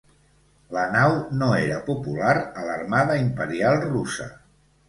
La nau no era popular a l'Armada Imperial Russa.